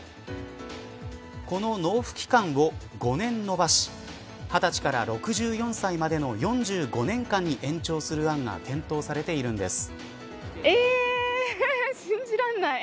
この納付期間を５年延ばし２０歳から６４歳までの４５年間に延長する案が検討されているんです。